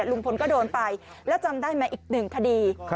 ลุงพลก็โดนไปแล้วจำได้ไหมอีกหนึ่งคดี